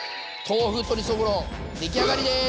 豆腐鶏そぼろ出来上がりです！